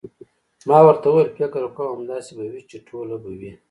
ما ورته وویل: فکر کوم، همداسې به وي، چې ټوله به وي.